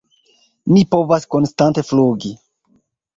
"Ni povas konstante flugi!"